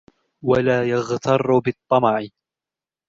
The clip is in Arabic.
وَلَا يَغْتَرُّ بِالطَّمَعِ